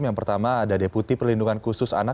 yang pertama ada deputi perlindungan khusus anak